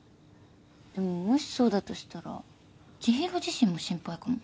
でももしそうだとしたら千尋自身も心配かも。